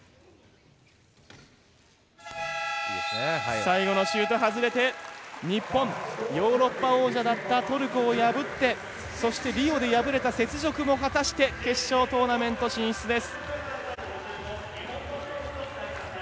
最後のシュート外れて日本、ヨーロッパ王者だったトルコを破ってそしてリオで敗れた雪辱も果たして決勝トーナメント進出です。